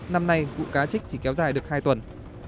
năm nay vụ cá trích chỉ kéo dài được hai tuần